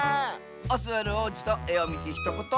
オスワルおうじと「えをみてひとこと」